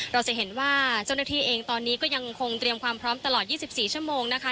เราจะเห็นว่าเจ้าหน้าที่เองตอนนี้ก็ยังคงเตรียมความพร้อมตลอด๒๔ชั่วโมงนะคะ